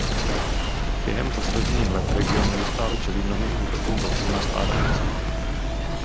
Během posledních let region neustále čelí mnohým útokům vlků na stáda ovcí.